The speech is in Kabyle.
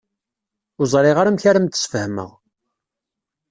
Ur ẓriɣ ara amek ara am-d-sfehmeɣ.